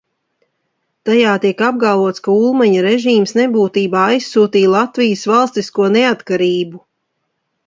Tajā tiek apgalvots, ka Ulmaņa režīms nebūtībā aizsūtīja Latvijas valstisko neatkarību.